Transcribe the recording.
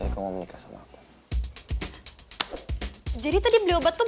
kamu itu bisa jadi ibu dan anak anak kamu